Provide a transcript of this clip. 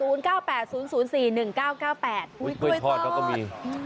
อุ๊ยกล้วยทอดเขาก็มีอืม